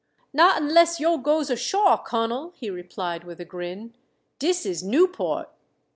"Not unless yo' goes asho', Kuhnnel," he replied with a grin. "_Dis is Newport.